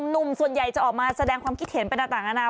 หนุ่มส่วนใหญ่จะออกมาแสดงความคิดเห็นเป็นต่างนานา